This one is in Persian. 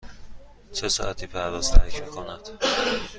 چه ساعتی پرواز ترک می کند؟